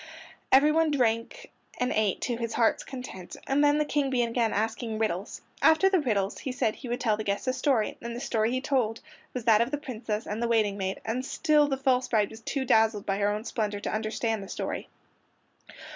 Everyone ate and drank to his heart's content, and then the King began asking riddles. After the riddles he said he would tell the guests a story, and the story he told was that of the Princess and the waiting maid, and still the false bride was too dazzled by her own splendor to understand the story.